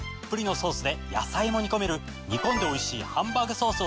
「煮込んでおいしいハンバーグソース」を使った。